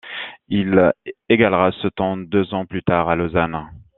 Il égalera ce temps deux ans plus tard à Lausanne.